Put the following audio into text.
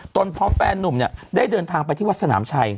พร้อมแฟนนุ่มเนี่ยได้เดินทางไปที่วัดสนามชัย